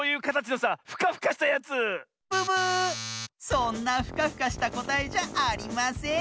そんなフカフカしたこたえじゃありません。